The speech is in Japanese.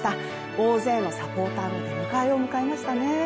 大勢のサポーターの出迎えを受けましたね。